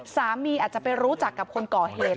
สามีอาจจะไปรู้จักกับคนก่อเหตุ